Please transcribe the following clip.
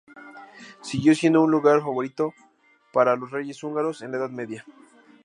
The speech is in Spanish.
Siguió siendo un lugar favorito para los reyes húngaros en la Edad Media.